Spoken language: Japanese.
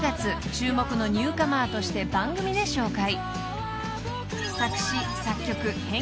注目のニューカマーとして番組で紹介］